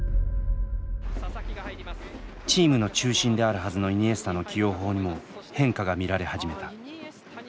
チームの中心であるはずのイニエスタの起用法にも変化が見られ始めた。